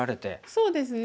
そうですね。